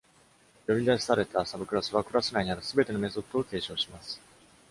呼び出されたサブクラスは、クラス内にあるすべてのメソッドを継承します。